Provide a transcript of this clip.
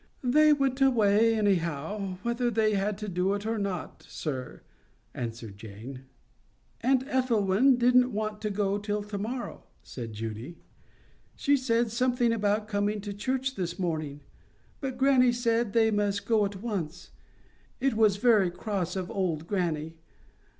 "They went anyhow, whether they had to do it or not, sir," answered Jane. "Aunt Ethelwyn didn't want to go till to morrow," said Judy. "She said something about coming to church this morning. But grannie said they must go at once. It was very cross of old grannie.